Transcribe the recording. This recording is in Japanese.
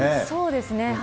そうですね。